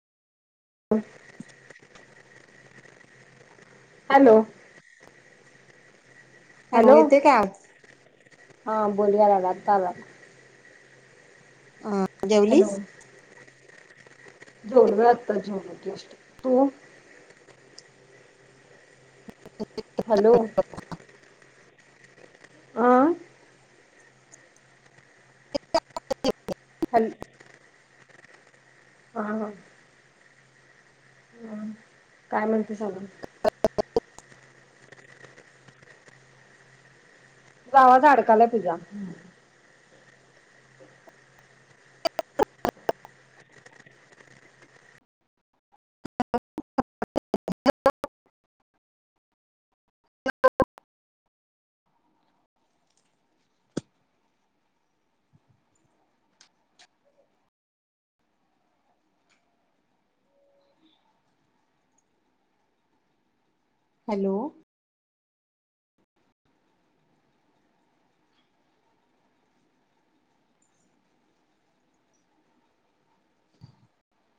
[inaudible] Hello. Hello, येतोय का आवाज? हा बोल यालागलाय आता आला. अ हॅलो. जेवलीस? जेवलो बाई आत्ताच झालं जस्ट तू. हॅलो [unintelligible] आ. हॅलो. हा हा. हम्म, काय म्हणते सागा. आवाज आडकालाय पूजा. हॅलो.